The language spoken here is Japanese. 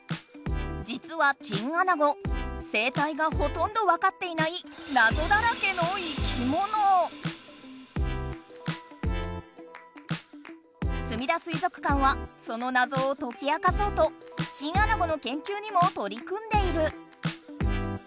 じつはチンアナゴ生態がほとんどわかっていないすみだ水族館はそのナゾをとき明かそうとチンアナゴのけんきゅうにもとり組んでいる。